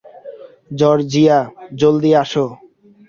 Georgia, জলদি এসো।